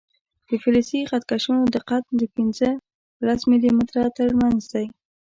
د فلزي خط کشونو دقت د پنځه په لس ملي متره تر منځ دی.